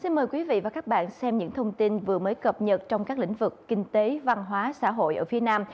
xin mời quý vị và các bạn xem những thông tin vừa mới cập nhật trong các lĩnh vực kinh tế văn hóa xã hội ở phía nam